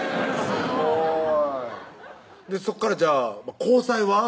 すごいそこからじゃあ交際は？